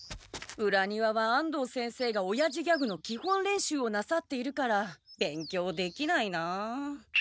裏庭は安藤先生がおやじギャグの基本練習をなさっているから勉強できないな。